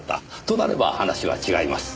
となれば話は違います。